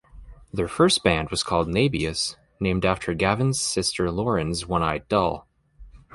Their first band was called Naybious, named after Gavin's sister Lauren's one-eyed doll.